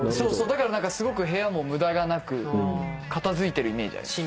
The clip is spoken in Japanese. だからすごく部屋も無駄がなく片付いてるイメージあります。